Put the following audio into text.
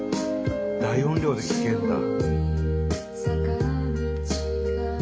大音量で聴けるんだ。